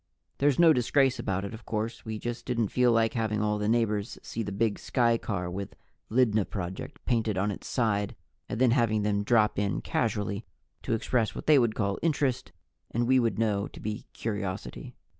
There's no disgrace about it, of course; we just didn't feel like having all the neighbors see the big skycar with LYDNA PROJECT painted on its side, and then having them drop in casually to express what they would call interest and we would know to be curiosity.